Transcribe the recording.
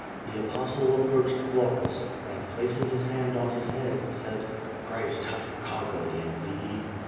The Apostle approached Glaucus, and placing his hand on his head, said: "Christ hath conquered in thee."